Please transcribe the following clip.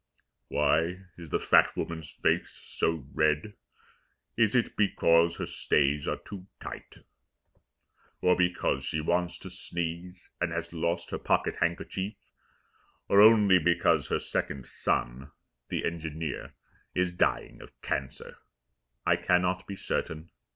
Why is the fat woman's face so red? Is it because her stays are too tight? Or because she wants to sneeze and has lost her pocket handkerchief? Or only because her second son (The engineer) Is dying of cancer. I cannot be certain.